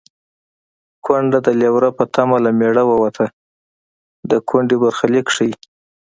کونډه د لېوره په تمه له مېړه ووته د کونډې برخلیک ښيي